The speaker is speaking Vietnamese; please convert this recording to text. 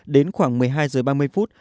đến khoảng một mươi hai giờ ba mươi phút